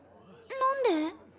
何で？